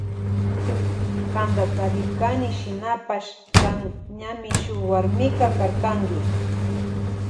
Kanta tarirkani shinapash kan ñami shuk warmiwa karkanki.